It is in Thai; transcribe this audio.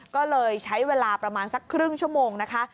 ก็เลยใช้เวลาประมาณสักครึ่งชั่วโมงนะคะ